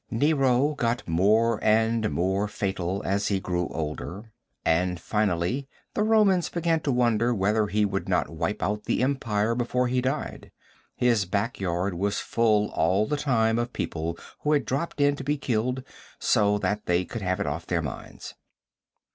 Nero got more and more fatal as he grew older, and finally the Romans began to wonder whether he would not wipe out the Empire before he died. His back yard was full all the time of people who had dropped in to be killed, so that they could have it off their minds.